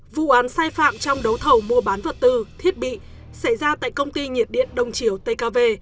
vụ án sai phạm trong đấu thầu mua bán vật tư thiết bị xảy ra tại công ty nhiệt điện đông chiều tkv